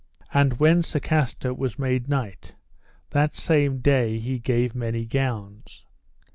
And when Sir Castor was made knight, that same day he gave many gowns.